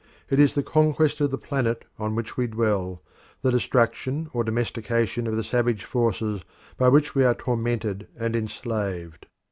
It is the conquest of the planet on which we dwell, the destruction or domestication of the savage forces by which we are tormented and enslaved.